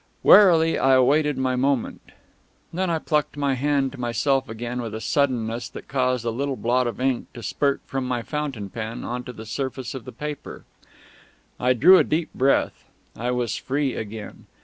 Warily I awaited my moment; then I plucked my hand to myself again with a suddenness that caused a little blot of ink to spurt from my fountain pen on to the surface of the paper. I drew a deep breath. I was free again.